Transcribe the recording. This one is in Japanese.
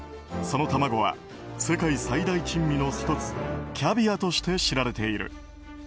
その卵は世界三大珍味の１つキャビアとして知られている。